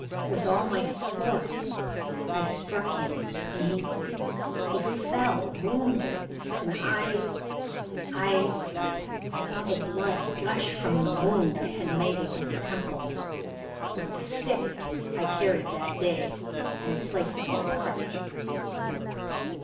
With all my force I struck him, and he he fell wounded and I I saw the blood gush from the wound I had made in his temple with the stick I carried that day in the place of my crutch.